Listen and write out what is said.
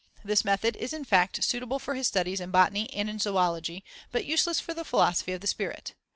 This method is in fact suitable for his studies in botany and in zoology, but useless for the philosophy of the spirit.